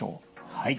はい。